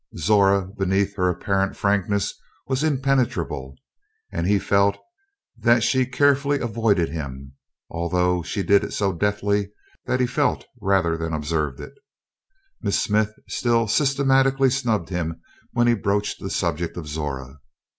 Zora beneath her apparent frankness was impenetrable, and he felt that she carefully avoided him, although she did it so deftly that he felt rather than observed it. Miss Smith still systematically snubbed him when he broached the subject of Zora.